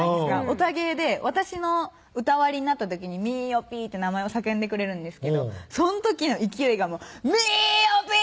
オタ芸で私の歌割りになった時に「みおぴ」って名前を叫んでくれるんですけどそん時の勢いが「みおぴ！